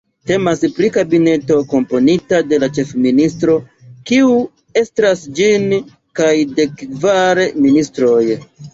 Temas pri kabineto komponita de la Ĉefministro, kiu estras ĝin, kaj dekkvar ministroj.